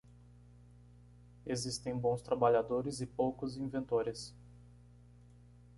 Existem bons trabalhadores e poucos inventores.